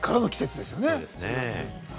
これからの季節ですよね。